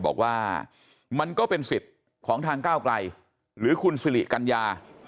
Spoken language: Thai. บอกว่ามันก็เป็นสิทธิ์ของทางก้าวไกลหรือคุณสิริกัญญา